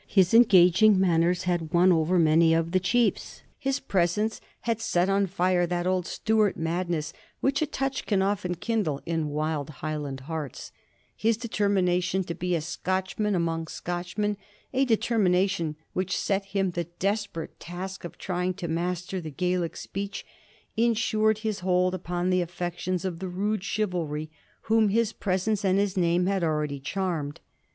His engaging manners had won over many of the chiefs ; his presence had set on fire that old Stuart madness which a touch can often kindle in wild Highland hearts; his deteimination to be a Scotchman among Scotchmen, a de termination which set him the desperate task of trying to master the Gaelic speech, insured his hold upon the affec tions of the rude chivalry whom his presence and his name had already charmed.